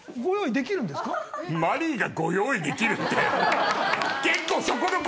マリーがご用意できるって。